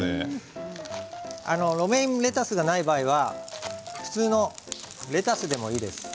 ロメインレタスがない場合は普通のレタスでもいいです。